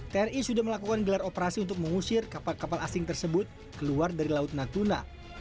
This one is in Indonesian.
tni sudah melakukan gelar operasi untuk mengusir kapal kapal asing tersebut keluar dari laut natuna